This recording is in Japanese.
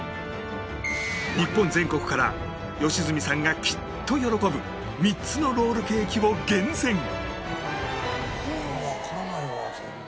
日本全国から良純さんがきっと喜ぶ３つのロールケーキを厳選